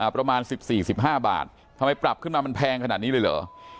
ประมาณ๑๔๑๕บาททำไมปรับขึ้นมามันแพงขนาดนี้เลยเหรอ